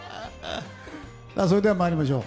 それでは、参りましょう。